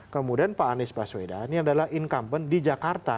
kemudian pak anies baswedan ini adalah incumbent di jakarta